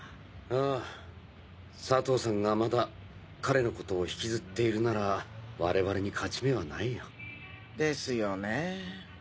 ああ佐藤さんがまだ彼のことを引きずっているなら我々に勝ち目はないよ。ですよねぇ。